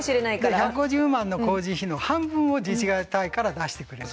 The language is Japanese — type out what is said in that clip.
１５０万の工事費の半分を自治体から出してくれる。